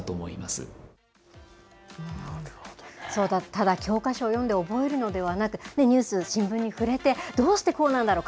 ただ教科書を読んで覚えるのではなく、ニュース、新聞に触れて、どうしてこうなんだろう？